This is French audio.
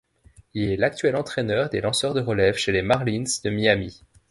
Il est l'actuel entraîneur des lanceurs de relève chez les Marlins de Miami.